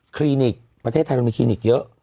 คลินิกประเทศไทยมันมีคลินิกเยอะ